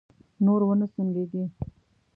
نور و نه سونګېږې!